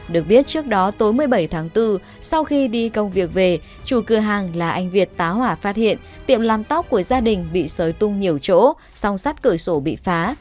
được biết trước đó tối một mươi bảy tháng bốn sau khi đi công việc về chủ cửa hàng là anh việt tá hỏa phát hiện tiệm làm tóc của gia đình bị sới tung nhiều chỗ song sát cửa sổ bị phá